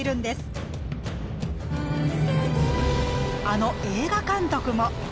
あの映画監督も！